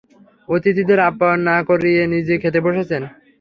অতিথিদের আপ্যায়ন না করিয়ে নিজে খেতে বসেছেন।